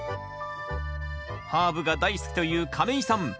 ハーブが大好きという亀井さん。